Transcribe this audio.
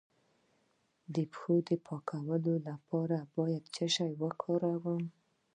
د پښو د پاکوالي لپاره باید څه شی وکاروم؟